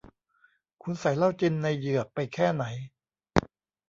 คุณใส่เหล้าจินในเหยือกไปแค่ไหน